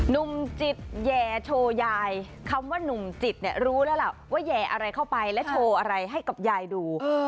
หนุ่มจิตแหย่โชว์ยายคำว่านุ่มจิตเนี่ยรู้แล้วล่ะว่าแห่อะไรเข้าไปและโชว์อะไรให้กับยายดู